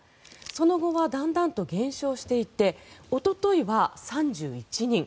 その後はだんだんと減少していっておとといは３１人。